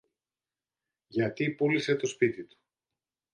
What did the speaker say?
γιατί πούλησε το σπίτι του